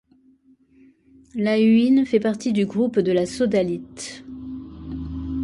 L'haüyne fait partie du groupe de la sodalite.